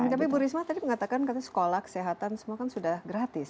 tapi bu risma tadi mengatakan katanya sekolah kesehatan semua kan sudah gratis